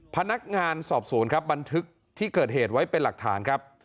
พนักงานสอบสวนครับบันทึกที่เกิดเหตุไว้เป็นหลักฐานครับ